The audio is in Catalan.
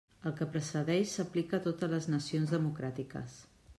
El que precedeix s'aplica a totes les nacions democràtiques.